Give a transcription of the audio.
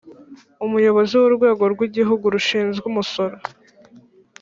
Umuyobozi w Urwego rw Igihugu rushinzwe umusoro